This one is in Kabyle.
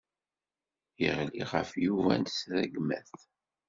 Yeɣli ɣef Yuba s rregmat.